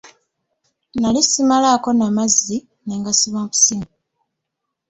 Nali simalaako na mazzi ne ngasima busimi.